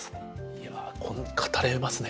いや語れますね